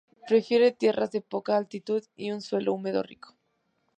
Prefiere tierras de poca altitud, y un suelo húmedo rico.